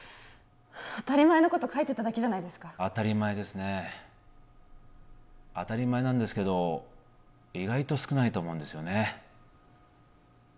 当たり前のこと書いてただけじゃないですか当たり前ですね当たり前なんですけど意外と少ないと思うんですよね